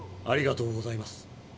ありがとうございます。